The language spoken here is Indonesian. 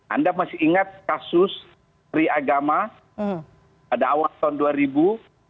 anda masih ingat kasus riagama pada awal tahun dua ribu